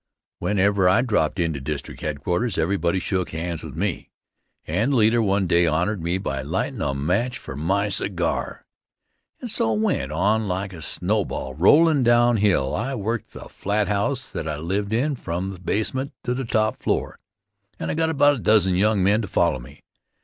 Whenever I dropped into district head quarters, everybody shook hands with me, and the leader one day honored me by lightin' a match for my cigar. And so it went on like a snowball rollin' down a hill I worked the flat house that I lived in from the basement to the top floor, and I got about a dozen young men to follow me.